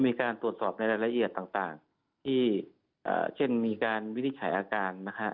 มีการตรวจสอบในรายละเอียดต่างที่เช่นมีการวินิจฉัยอาการนะฮะ